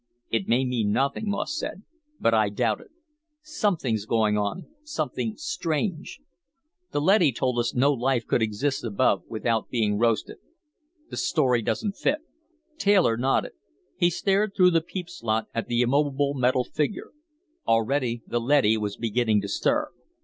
"It may mean nothing," Moss said, "but I doubt it. Something's going on, something strange. The leady told us no life could exist above without being roasted. The story doesn't fit." Taylor nodded. He stared through the peep slot at the immobile metal figure. Already the leady was beginning to stir.